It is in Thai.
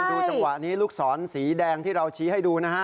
ดูจังหวะนี้ลูกศรสีแดงที่เราชี้ให้ดูนะฮะ